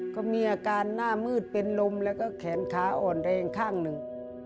ก็มีอาการหน้ามืดเป็นลมแล้วก็แขนขาอ่อนแรงข้างหนึ่ง